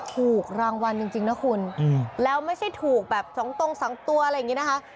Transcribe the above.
ถูกรางวัลจริงนะคุณแล้วไม่ใช่ถูกแบบสองตรงสองตัวอะไรอย่างนี้นะคะ